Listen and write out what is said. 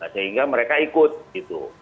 sehingga mereka ikut gitu